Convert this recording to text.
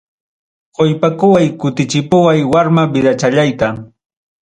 Qoykapuway kutichipuway warma vidachallayta.